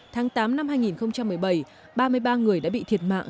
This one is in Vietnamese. tháng tám năm hai nghìn một mươi bảy ba mươi ba người đã bị thiệt mạng